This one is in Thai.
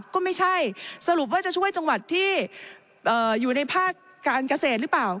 ก็ไม่ใช่สรุปว่าจะช่วยจังหวัดที่อยู่ในภาคการเกษตรหรือเปล่า